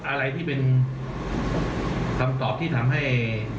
อะไรที่เป็นคำตอบที่ทำให้